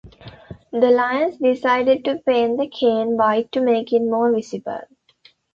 The Lions decided to paint the cane white to make it more visible.